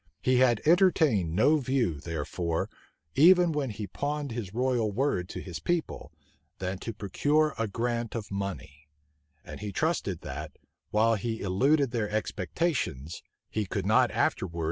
He had entertained no view, therefore, even when he pawned his royal word to his people, than to procure a grant of money; and he trusted that, while he eluded their expectations, he could not afterwards want pretences for palliating his conduct.